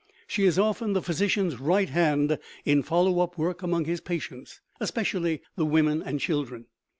She is often the physician's right hand in follow up work among his patients, especially the women and children.